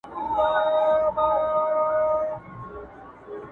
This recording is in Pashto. يوه شېبه تم سوی نه يم در روان هم يم,